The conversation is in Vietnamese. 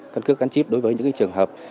cân cước cắn chip đối với những trường hợp